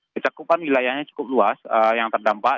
kecakupan wilayahnya cukup luas yang terdampak